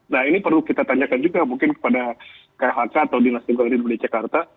nah ini perlu kita tanyakan juga mungkin kepada khk atau dinas lingkungan hidup di jakarta